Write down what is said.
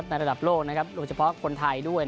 ในระดับโลกโดยเฉพาะคนไทยด้วย